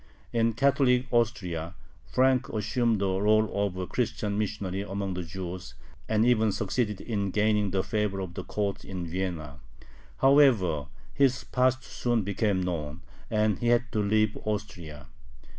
In Catholic Austria, Frank assumed the rôle of a Christian missionary among the Jews, and even succeeded in gaining the favor of the Court in Vienna. However, his past soon became known, and he had to leave Austria.